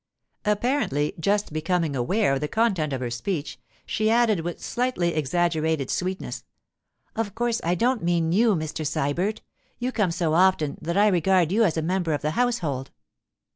Apparently just becoming aware of the content of her speech, she added with slightly exaggerated sweetness: 'Of course I don't mean you, Mr. Sybert. You come so often that I regard you as a member of the household.